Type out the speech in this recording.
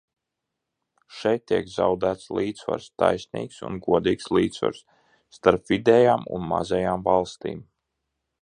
Šeit tiek zaudēts līdzsvars, taisnīgs un godīgs līdzsvars, starp vidējām un mazajām valstīm.